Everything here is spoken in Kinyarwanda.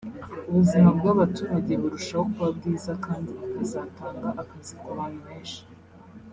ubuzima bw’abaturage barushaho kuba bwiza kandi bikazatanga akazi ku bantu benshi